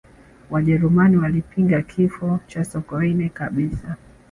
wajerumani walipinga kifo cha sokoine kabisa